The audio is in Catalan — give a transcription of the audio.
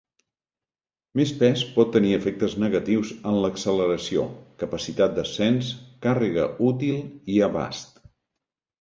Més pes pot tenir efectes negatius en l'acceleració, capacitat d'ascens, càrrega útil i abast.